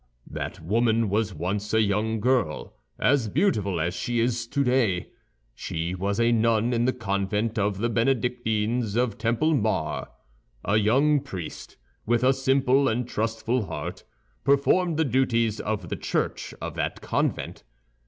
"That woman was once a young girl, as beautiful as she is today. She was a nun in the convent of the Benedictines of Templemar. A young priest, with a simple and trustful heart, performed the duties of the church of that convent.